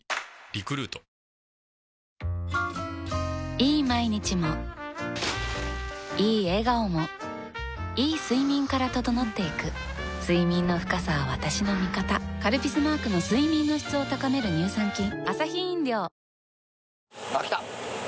いい毎日もいい笑顔もいい睡眠から整っていく睡眠の深さは私の味方「カルピス」マークの睡眠の質を高める乳酸菌来た